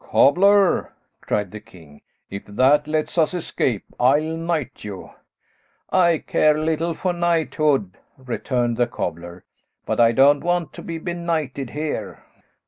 "Cobbler!" cried the king, "if that lets us escape, I'll knight you." "I care little for knighthood," returned the cobbler, "but I don't want to be benighted here."